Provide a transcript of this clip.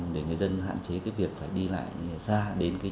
để người dân hạn chế việc phải đi lại xa đến trung tâm chính